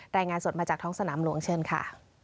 รายงานสดมาจากท้องสนามหลวงเชิญค่ะ